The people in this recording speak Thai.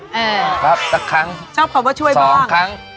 แอ่ชอบคำว่าช่วยบ้างครับสักครั้งสองครั้ง